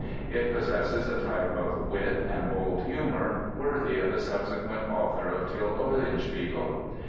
It possesses a type of wit and bold humor worthy of the subsequent author of Till Eulenspiegel.